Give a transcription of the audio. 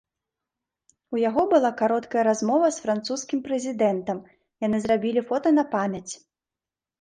У яго была кароткая размова з французскім прэзідэнтам, яны зрабілі фота на памяць.